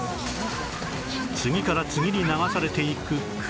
次から次に流されていく車